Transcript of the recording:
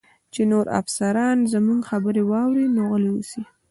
چې نور افسران زموږ خبرې واوري، نو غلي اوسئ.